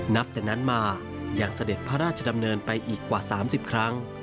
นับแต่นั้นมายังเสด็จพระราชดำเนินไปอีกกว่า๓๐ครั้ง